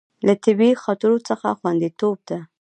له طبیعي خطرونو څخه خوندیتوب ده.